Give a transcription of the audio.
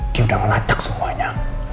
dia udah ngelacak semuanya